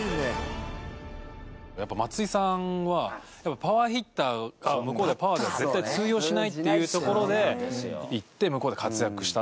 やっぱ松井さんはパワーヒッター向こうではパワーでは絶対通用しないっていうところで行って向こうで活躍した。